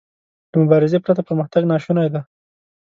له مبارزې پرته پرمختګ ناشونی دی.